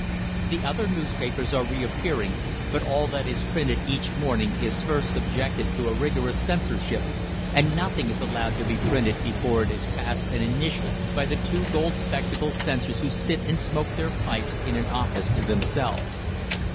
"The other newspapers are reappearing, but all that is printed each morning is first subjected to a rigorous censorship, and nothing is allowed to be printed before it is passed and initialled by the two gold spectacled censors who sit and smoke their pipes in an office to themselves.